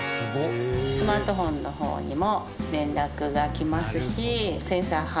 スマートフォンの方にも連絡が来ますし。